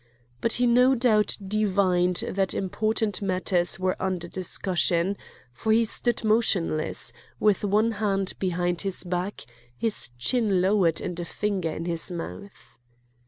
But he no doubt divined that important matters were under discussion, for he stood motionless, with one hand behind his back, his chin lowered, and a finger in his mouth.